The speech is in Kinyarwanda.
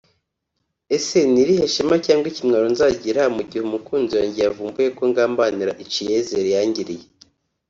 ese n’irihe shema cyangwa ikimwaro nzagira mu ighe umukunzi wanjye yavumbuye ko ngambanira iciyezer yangiriye